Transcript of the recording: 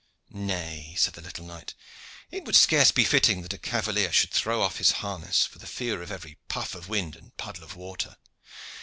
"Nay," said the little knight, "it would be scarce fitting that a cavalier should throw off his harness for the fear of every puff of wind and puddle of water.